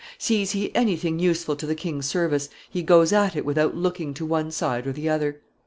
Sees he anything useful to the king's service, he goes at it without looking to one side or the other.